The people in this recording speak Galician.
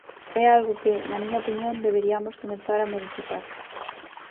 É algo que, na miña opinión, deberiamos comezar a modificar.